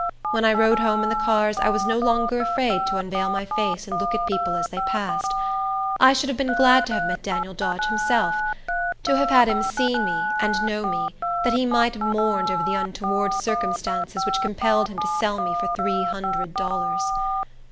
When I rode home in the cars I was no longer afraid to unveil my face and look at people as they passed. I should have been glad to have met Daniel Dodge himself; to have had him seen me and known me, that he might have mourned over the untoward circumstances which compelled him to sell me for three hundred dollars.